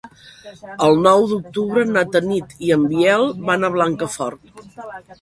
El nou d'octubre na Tanit i en Biel van a Blancafort.